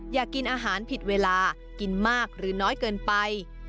อยากกินอาหารผิดเวลากินมากหรือน้อยเกินไป